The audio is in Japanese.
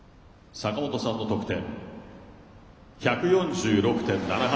坂本さんの得点１４６．７８。